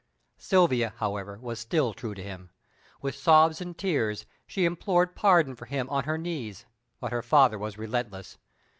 Silvia, however, was still true to him. With sobs and tears, she implored pardon for him on her knees, but her father was relentless.